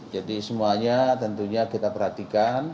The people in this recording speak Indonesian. jadi semuanya tentunya kita perhatikan